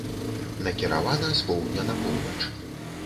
Накіравана з поўдня на поўнач.